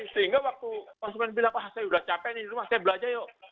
sehingga waktu konsumen bilang ah saya udah capek nih di rumah saya belajar yuk